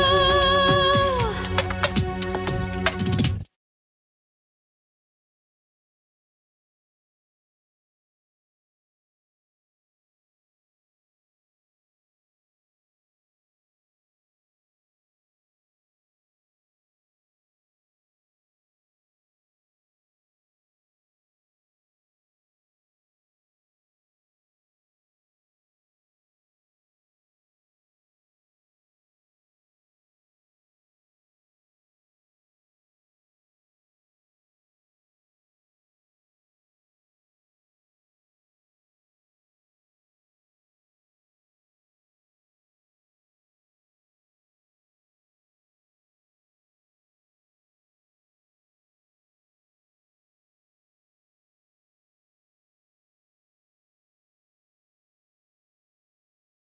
terima kasih atas perhatian saya